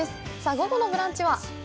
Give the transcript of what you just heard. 午後の「ブランチ」は？